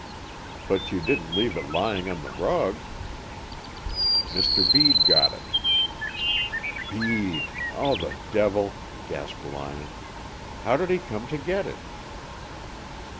"But you didn't leave it lying on the rug?" "Mr. Bede got it." "Bede! Oh, the devil!" Gasped Lyon. "How did he come to get it?"